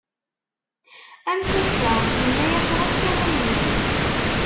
Amek akka? Yenna-as ruḥ kan a mmi.